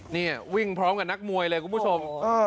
นี่วิ่งพร้อมกับนักมวยเลยคุณผู้ชม